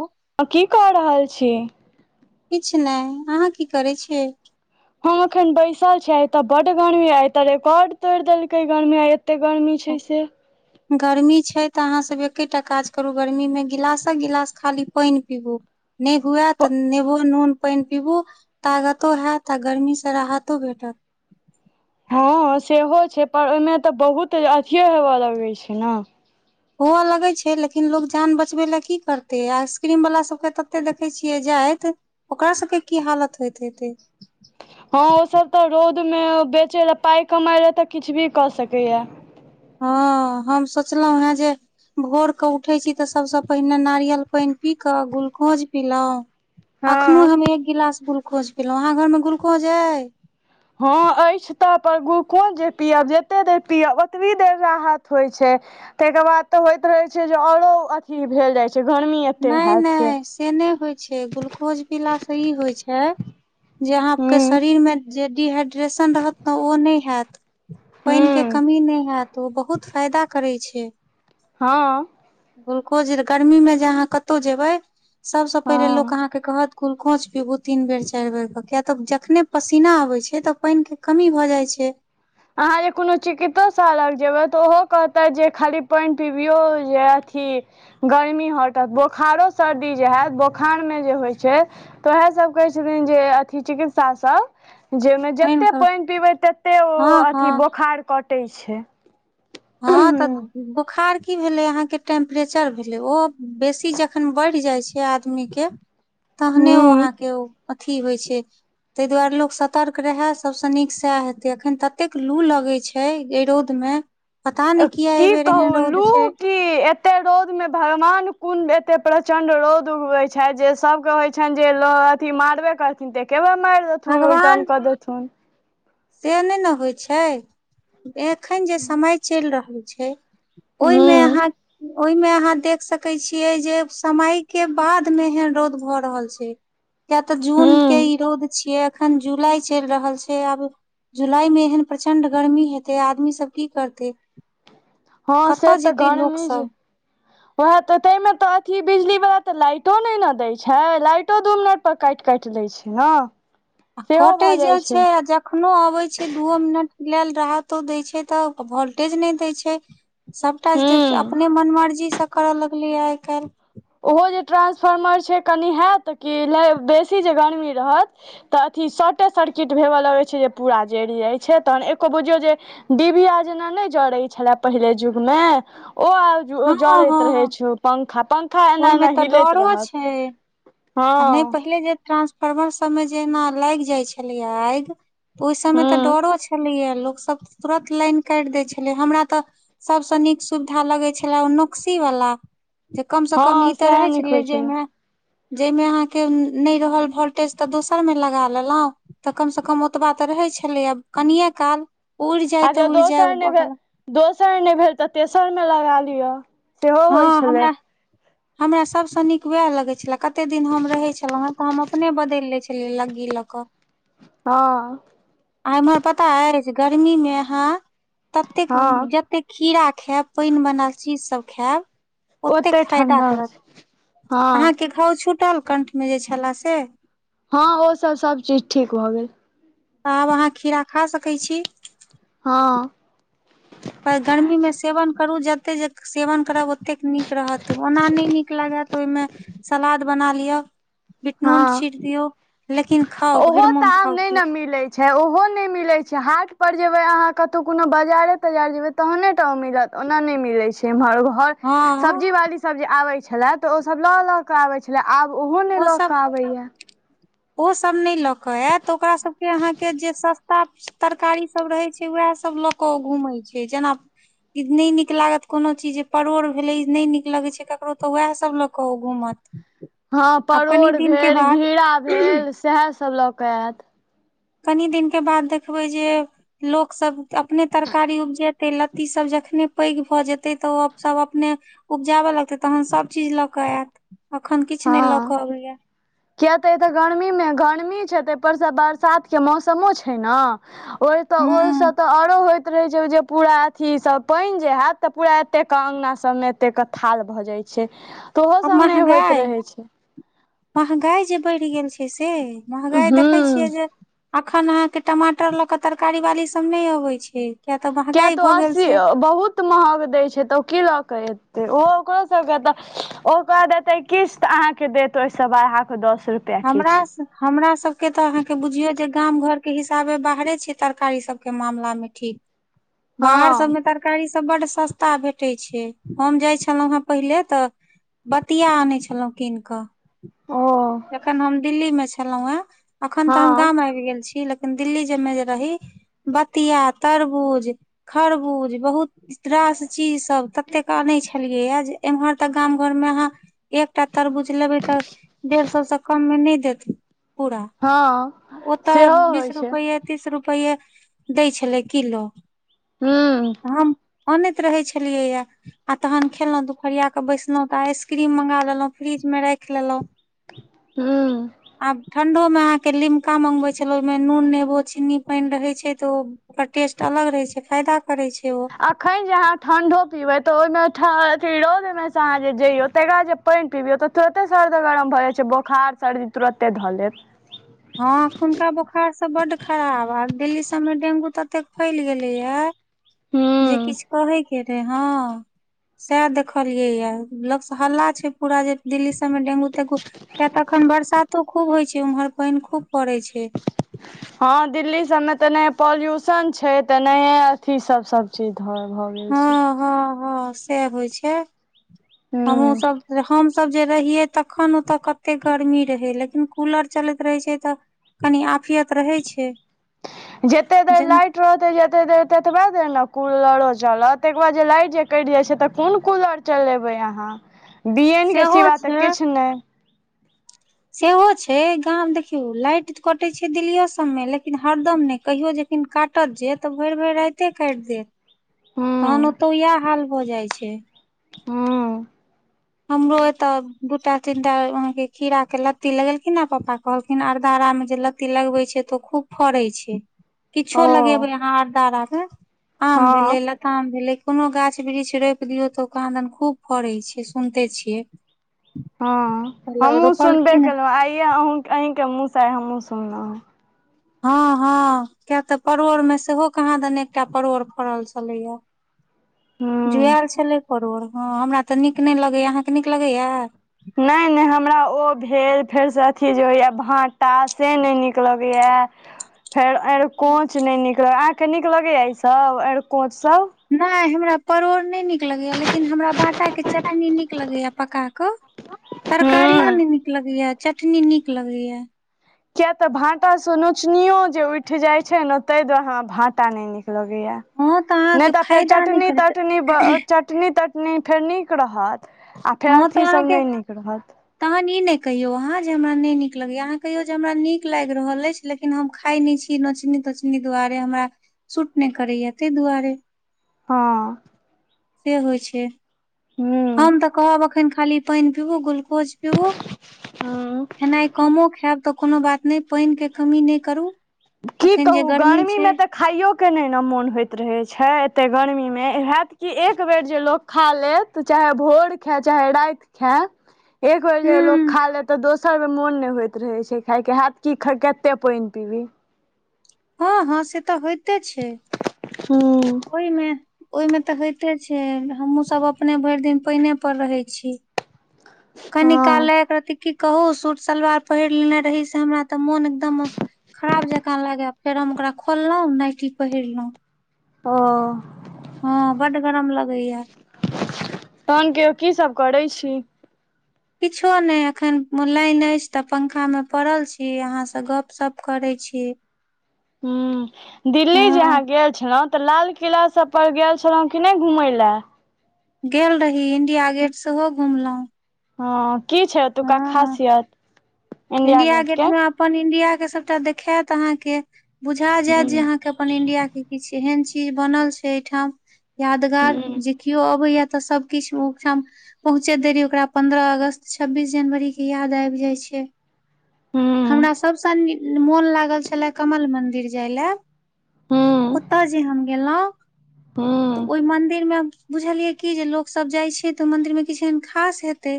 ओ- हं की कऽ रहल छी? किछ नय, अहाँ की करैत छीयै? हम अखन बैसल छियैआइ तऽ बड्ड गर्मी आई ए तऽ रेकॉर्ड तोइड़ देलकै गर्मी आ एत्ते गर्मी छैय से गर्मी छैय तऽ अहाँ सब एकेटा काज करू गर्मी मे गिलासक गिलास खाली पाइन पीबू। नय हुअय तऽ नेबो नून पैन पीबू तागतो हैत आ गर्मी से राहतो भेटत। हाँ सेहो छैय पर ओयमे तऽ बहुत अथियो हेवय लगै छैय ने हुअ लगै छैय लेकिन लोक जान बचबै लए की करतै आइसक्रीम वला सभके तते देखैत छियै जाइत ओकरा सबके की हालत होइत हेतै? हं ओसभ तऽ रौउदमे बेचै लय, पाइ कमाइ लए तऽ किछ भी कऽ सकैएऽ। हं हम सोचलहुँ हेँ जे भोर कऽ उठै छीय तऽ सभसँ पहिने नारियल पैइन पी कऽ ग्लूकोंज पीलौह, अखनो हँ हम एक गिलास ग्लुकोंज पीलौं, अहाँ घरमे ग्लुकों? ज अय हं अइछ तऽ पर ग्लुकोज जे पियब जते देर पियब ओतबी देर राहत होइ छैय। तय के बाद तऽ होइत रहै छैय जे औरो अथी भेल जाय छैय। [unintelligible] नइ नइ से नै होइत छैय ग्लूकोज पीलासँ ई होइ छैय, जे अहाँके हूँ शरीरमे जे डिहाइड्रेशन रहत ने ओ नय हैऽत‌ पैन के हूँ कमी नय हेत ओ बहुत फायदा करै छै। हँ- ग्लुकोज गर्मी मे जे अहाँ कतौ जेबै सबसँ पहिले लोक हँ अहाँके कहत गुलकोंच पीबू तीन बेर चाइर बेर क कियैऽतऽ जखने पसीना आबे छै तऽ पाइन के कमी भऽ जाइ छै, अहाँ जे कोनो चिकितोसा लग जेबै तऽ, ओहो कहतैथ जे खाली पानि पिबियो या अथी गर्मी हटत, बोखारो सर्दी जे हैत, बोखारमे जे होइ छै तऽ उएह सब कहै छथिन जे, अथी चिकित्सा सब जेयमे जते पानि पीबै तत्ते ओ, हँ अथी हँ बोखार कटै छै। हँ तऽ बोखार की भेलै अहाँके टेम्प्रेचर भेलै ओ, बेसी जखन बढ़ि जाइ छै आदमीके तहने ओ हूँ अहाँके ओ, अथी होइ छै तहि दुआरे लोक सतर्क रहै सबस नीक सैह हेतै, अखन ततेक लू लगे छै एहि रौंद मे ए की कहू लू छै की एत्ते रौंद में भगवान कोन एत्ते प्रचंड रौंद उगबै छैथ, जे सब के होय छैन जे ल अथी मारबे करथिन, तऽ एके बेर मारि देथुन उलटन भगवान कऽ देथुन। से नहि न होइ छै, एखन जे समय चलि रहल छै ओहिमे हूँ अहाँ ओहिमे अहाँ देख सकै छियै जे, समय के बाद मे एहन रौंद भऽ रहल छै। किया त जूनके हूँ ई रौंद छियै, अखन जुलाई चलि रहल छै आब जुलाई मे एहन प्रचंड गर्मी हेतै, आदमी सब की करतै हँ कतऽ जेतै लोकसब वएह त तय में त अथी बिजली वला त लाइटो नहि ने दय छै, लाइटो दू मिनट, पर काटि-काटि दै छै, हँ आ कटै जे छै, आ जखनो अबै छै दूओ मिनट लैल राहतो दै छै तऽ वोल्टेज नहि दै छै। सबटा जे हूँ अपने मन मर्जी स कर‌ऽ लगलैए आइ काल्हि ओहो जे ट्रा्सफार्मर छै, कनि हैत कि लाए बेसी जे गर्मी रहत तऽ अथी शॉर्टे सर्किट भेबऽ लगै छै जे, पूरा जरि जाइ छै तहन एको बुझियौ जे डिबिया जेना नहि जड़ै छले, पहिले जुग मे ओ आब उ हँ जड़ैत रहै हँ छै उ पंखा-पं ओहिमे तऽ डरो छै, हँ आ नहि पहिले जे ट्रांसफार्मर सबमे जे एना लागि जाइ छलैया आइग ओहि सबमे तऽ हूँ डरो छलैए लोकसब तुरत लाइन काटि दै छलै, हमरा तऽ सबसँ नीक सुविधा लगै छले ओ नोक्सी वला। कम से कम ई हँ तऽ सएह रहै नीक छलै होइ छै जयमे जहिमे अहाँके नहि रहल भोल्टेज, त दोसर मे लगा लेलऊ। तऽ कम से कम ओतबा तऽ रहै छलैयैं, कनिए काल उड़ि जाय आ त जँ उड़ि जाय दोसर नहि भेल बगल दोसर नहि भेल त तेसरमे लगा लिय। हँ हमरा-हमरा सबसँ नीक वएह लगै छले। कते दिन हम रहै छलहुं हैं, त हम अपने बदलि लै छलियै लग्गी लऽ कऽ। हँ। आ इम्हर पता अइछ, गर्मी मे अहाँ हँ ततेक-जतेक खीड़ा खैब पानि बना चीजसब खैब ओतेक ओते फायदा ठण्डा होइ करत, छै हँ अहाँके घाव छूटल कंठमे जे छले से? हँ ओ सब-सब चीज ठीक भऽ गेल। आब अहाँ खीरा खा सकै छी। हँ। त गर्मीमे सेवन करू जते जे सेवन करब ओतेक नीक रहत, ओना नहि नीक लागे ओहिमे सलाद बना लिअ। हँ बिटनून छीट दियौ, लेकिन खाउ, ओहो भरि तऽ मोन आब खाउ, नहि ने मिलै छै, ओहो नहि मिलै छै, हाट पर जेबै अहाँ कतहु कोनो बजारे- ताजार जेबै तऽ तहने टा ओ मिलत, ओना नहि मिले छै एम्हर ओ। घर, हँ सब्जी वाली सब जे आबे छले, तऽ ओ सब ल ल के आबे छले, आब ओहो अबैए। ओसभ नहि लऽ कऽ आयत, ओकरा सभके अहाँके जे सस्ता तरकारीसभ रहै छै, एह सभ लऽ कऽ घूमैत छै। जेना ई न निक लागत कोनो चीज जे परोड़ भेले न निक लगे छै केकरो, त वैह सब ल क घूमत। हँ आब कनि परोड़ दिन के भेल, बाद घिरा भेल, सएहसभ लऽ कऽ आयत। कनी दिनके बाद देखबै जे लोकसभ अपने तरकारी उपजेते, लत्ती सब जखने पैघ भऽ जेतै तऽ ओ सभ अपने उपजाबय लगतै, तहन सभ चीज लऽ कऽ आयत, अखन किछु नहि लऽ हँ कऽ अबैया। किया त एते गर्मीमे गर्मी छै, ताहिपरसँ बरसातके मौसमो छै ने। ओहि त ओहि से हँ तऽ आरो होयत। रहै छै पूरा अथी सब पानि जे होयत, तऽ पूरा एतेक अगना सबमे एत थाल भऽ जाइ छै। ओहो सब नहि होइत महगाई, रहै छै महगाई जे बढ़ि गेल छै से। महँगाई देखे हूँ छियै जे, अखन अहाँ के टमाटर लऽ के तरकारी बाली सब नहि अबे छै। तऽ किया महगाई तऽ भऽ गेल असी छै बहुत महग दै छै तऽ ओ की लऽ के एतै, ओ ओकरो सबके तऽ ओ क देतै। किस्त अहाँ के देत ओहि सवा अहा के दस,। रुपैआ किछ हमरा से हमरा सबके तऽ अहाँके बुझियौ जे गाम घरके हिसाबे बाहरे छै तरकारी सबके मामला मे ठीक। बाहर हँ सममे तर तरकारी सब बड सस्ता भेटैत छै, हम जाइ छलहुं हेँ पहिले त बतिया आनै छलहुँ कीन क। ओ जखन हम दिल्ली मे छलहुं हेँ, अखन तऽ हम हँ गाम आबि गेल छी। लेकिन दिल्ली जमे जे रही, बतिया, तरबूज, खरबूज, बहुत इ तरास चीज सब ततेक क आने छलियै या जे गाम घर में अहा एकटा तरबुझ लेबै तऽ डेढ़ तइ से कम नहि देत पूरा, हँ ओत सेहो बीस होइ छै रुपये बीस रुपैआ दै छलै किलो। हूँ। हम अनैत रहै छलियै या आ तहन खेलहुं ‌दुपरिया के बैसलहुं तऽ आइसक्रीम मंगा लेलहुं फ्रिज मे राख लेलहुँ। हँ। आब ठंडो मे अहाँके लिमका मंगबे छले, ओहि मे नून, नेबो, चीन्नी, पानि रहे छै तऽ ओ ओकर टेस्ट अलग रहै छै, फायदा करे छै ओ। अखन जे अहाँ ठण्डो पीबै, तऽ ओहिमेथ रौदमे सँ अहाँ जे जइयौ तकरा जे पानि पिबियौ तऽ तुरते सर्द गरम भऽ जाइ छै, बोखार सर्दी तुरते धऽ लेत। हँ एखुनका बोखार सब बड खराब, हब दिल्ली सबमे डेंगू ततेक फैल गेले या। जे हूँ किछु कहै हँ सैह देखलियै या, लोकसँ हल्ला छै पूरा जे दिल्ली सब मे डेंगू- तेंगू किया तऽ अखन बरसातो खूब होइ छै, उम्हर पानि खूब पड़ै छै। हँ दिल्ली सबमे त नय पॉल्युशन छै त नय अथी सब सब। चीज घर भ गेल हँ छै, हँ हँ से होइ छै हमहुँ हूँ सब, हमसब जे रहियै तखन ओत कते गरमी रहै लेकिन कूलर चलैत रहै छै त, कनि आफियत रहै छै। जैते देर जेना लाइट, रहते जते देर ततबा देर ने कूलरो चलत तकर बाद जे लाइट जे कइट जाय छै त कोन कूलर, चलेबै अहाँ बीएन के सेहो सिवा त छै किछ नय। सेहो छै गामं देखियौ लाइट कटे छै दिल्लियो सब मे लेकिन हरदम ने कहियो जे, लेकिन काटत जे त भौरे भौरे राइते काइट देत। तहन हूँ ओतौ इएह हाल भ जाय छै। हू। हमरो एत दूटा तीनटा अहाँ के खीरा के लत्ती लगेलखिन हे पप्पा। कहलखिन अरदारा मे जे लत्ती लगबे छै त ओ खूब फड़े छै। किछो ओ लगेबै अहाँ अरदारा में आम भेलै हँ ल, लताम भेलै कोनो गाछ वृक्ष रोएप दियौ त कहांदन खूब फड़े छै। सुनते छियै। हँ हेलो हमहूँ सुनबे रोपलखिन केल आइएँ अहुं अहींके मुहसँ हमहूँ सुनलहुँ। हँ हँ किया त परोड़ में सेहो कहांदन एकटा परोड़ फड़ल छलैया। हूँ जुएल छलै परोर हँ हमरा त नीक नय लगैया अहाँके नीक लगैया। नय न हमरा ओ भेल फेरसँ अथी जे होइया भाटा से नए नीक लगैया। फेर अएरकोंच नै निक लग अहाँके नीक लगैया ई सब अएरकोंच सब। नै हमरा परोड़ नय निक लगैया लेकिन हमरा बाटा के चटनी नीक लगैया पका क। तरकारियो हूँ नै नीक लगैया चटनी नीक लगैया। किया त भाटासँ नोचनियो जे उइठ जाइ छै ने तै दुआरे हमरा भाँटा नय नीक लगैया। हँ तऽ नै अहाँके त फेर फायदा नहि चटनी करत तटनी ब अ चत, चटनी तटनी फेर नीक रहत आ फेर हँ तऽ अथी सब अहाँके नय नीक रहत। तहन ई नै कहियौ अहाँ जे हमरा नय नीक लगैए अहाँ कहियौ जे हमरा नीक लाइग रहल अछि, लेकिन हम खाय नि छी नोचनी तोचनी दुआरे हमरा सूट नै करैया तै दुआरे। हँ। से होइ छै। हम हूँ त कहब अखन खाली पाइन पीबू गूल, कोज पिबू। हूँ खेनाइ कमो खैब त कोनो बात। नै पाइन के कमी नै करू। की अखन जे कहू गर्मी गरमी छै में त, खाइयो के नै ना मोन होइत रहे छै एत्ते गर्मीमें हैत कि एक बेर जे लो, खा लेत चाहे भोर खाय चाहे राइत खाय एक बेर जे लोग हूँ खा लेत त दोस, सब मोन नय होइत रहे छै खाय के हैत की कत्ते पाइन पीबी। हँ हँ से त होइते छै। हम्म। ओयमे ओयमें त होइते छै हमहुँ सब अपने भइर दिन पाइने पर रहै छी। कनि हँ कालले एकरति की कहू सूट सलवार पहिर लेने रही से हमरा, त मोन एकदम खराब जका लागे फेर हम ओकरा खोललों नाइटी पहिरलो। तहँ। हँ बड गरम लगैया। तहन केओ की सब करै छी। किछो नय अखन म लाइन अइछ तऽ पंखा मे पड़ल छी अहाँ स गप्प-सप्प करय छी। हुं- दिल्ली जे अहाँ हँ गेल छलौँ, तऽ लालकिला सब पर गेल छलहुँ कि नैऽ घुमय लय? गेल रही इंडिया गेट सेहो घुमलहुं। हँ की छै ओतुका हँ खासियत? इंडिया गेट में अपन इंडिया के सबटा देखैऽत अहाँ के बुझा जैत जे हूँ अहाँके अप्- अपन इंडिया के किछ, एहन चीज बनल छै अयठाम यादगार हूँ जे कियो अबैए तऽ सबकिछु [unintelligible] ठाम- पहुँचैत देरी ओकरा पन्द्रह अगस्त, छब्बीस जनवरी के याद आइब जाइ छै। हूँ हमरा सभसं नी- मोन लागल छले कमल मन्दिर जाइ लए। हूँ ओत जे हम गेलहुँ, त हूँ ओइ मन्दिर मे हम्- बुझलियै कि जे लोक सब जाइ छै त मंदिर मे किछ एहन खास हेतै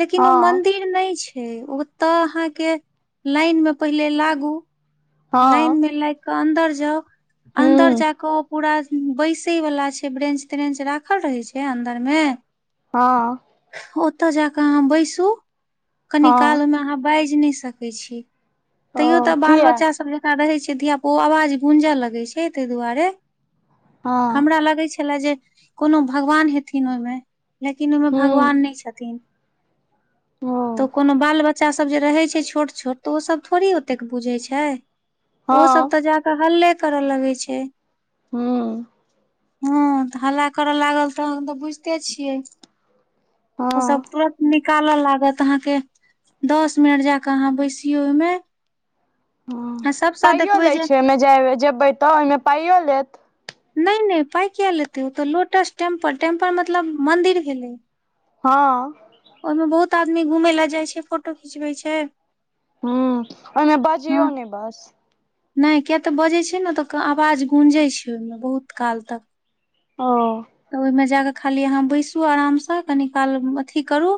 लेकिन ओ हँ मंदिर नै छै। ओत अहाँके लाइन मे पहिले लागु, लाइन हँ मे लाइगक अन्दर जाउ, अन्दर हूँ जाक ओ पूरा बैसै वला छै। ब्रेंच त्रेंच राखल रहै छै अन्दर मे, हँ- ओत जा क अहाँ बैसू, कनी काल हँ ओहिमे अहाँ बाइज नै सकै कैछी। तैयो ओ त बाल किया बच्चा स [unintelligible] सब जकां रहै छै धियापो-ओ अवाज गूंजऽ लगै छै, तै दुआरे हमरा हँ लगै छलय जे, कोनो भगवान हेथिन ओइमे। लेकिन ओइमे हूँ भगवान नै छथिन। ओ त कोनो बाल बच्चा सब जे रहै छै छोट- छोट त ओ सब थोड़ी ओतेक बुझै छै। हँ ओ सब त जा क हल्ले कर लगै छै। हूं- हँत हल्ला कर लागल तहन त बुइझते छियै। हँ ओ सब तुरत निक- काल लागत अहाँके, दस मिनट जाके अहाँ बैसिऔ ओइमे, हं। पाइयो देखबै लै जे छै ओइमे जाइ, ब- जेबै त ओइमे पाइयो लेत? नै -नै पाइ किए लेतै ओत लोटस टेम्पल, टेम्पल मतलब मंदिर भेलै। हँऽ ओइमें बहुत आदमी घुमइ लय जाइ छै फोटो खिचबै छै, हं, ओइमे बजियौ नै बस नै, किए त बजै छै ने त क-आवाज गूँजै छै ओइमे बहुत काल तक। ओ- त ओइमे जा क खाली अहाँ बैसू अरामसं कनी काल ब-अथी करू।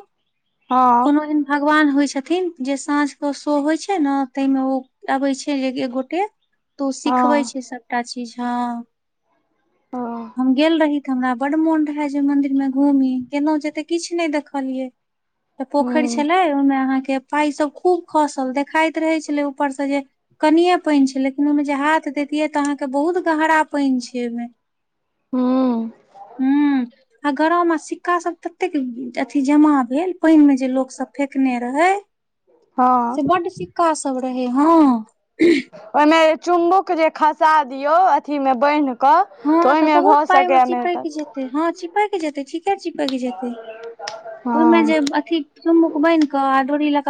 कोनो हँ एहन भगवान होइ छथिन जे साँझके शो होइ छै ने तै मे ओ- अबै छै जे ग- एक गोटे तु सिखबै हँ छै सबटा चीज हँ - ओ [inaudible] हम गेल रही। हमरा बड्ड मोन रहै जे मन्दिर मे घूमी गेलहुँ जे त किछ नै देखलियै। त पोखैर हूँ छलै ओइमे अहाँके पाइ सब खूब खसल। देखाइत रहै छलै ऊपर सं जे कनिए पैन छै, लेकिन ओइमे जे हाथ दैतियै त अहाँके बहुत गहरा पाइन छै ओइमे। हुं- हूं आ गरम आ सिक्का सब ततेक अथी जमा भेल, पाइनमे जे लोक सब फेेंकने रहै। हँ से बड्ड सिक्का सब रहै हँ। ओइमे जे चुम्बुक जे खसा दियौ अथीमे बान्हि कऽ तऽ हँ ओइमे बहुत भऽ पाइ मे सकैया नै चिपैक तऽ। जेतै हँ चिपक जेतै ठीके चिपक जेतै ओइमे हँ जे अथी। चुमुक बान्हिक आ डोरी ल कऽ।